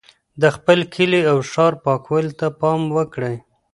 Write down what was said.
د خپل کلي او ښار پاکوالي ته پام وکړئ.